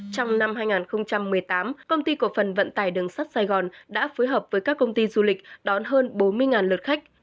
trong năm hai nghìn một mươi tám công ty cổ phần vận tải đường sắt sài gòn đã phối hợp với các công ty du lịch đón hơn bốn mươi lượt khách